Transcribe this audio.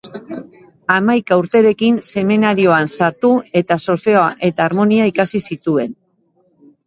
Hamaika urterekin seminarioan sartu eta Solfeoa eta Harmonia ikasi zituen.